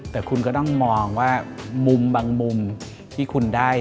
แต่คุณก็ต้องมองว่ามุมบางมุมที่คุณได้